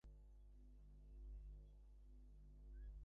কিছুদিনের মতো বাবাকে এখান হইতে স্থানান্তরিত করা চাই।